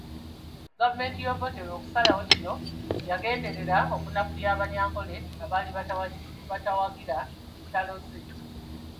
Gavumenti ya Obote okusalawo kino yagenderera okunafuya Abanyankole abaali batawagira ntalo ze